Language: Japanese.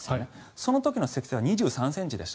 その時の積雪は２３ｃｍでした。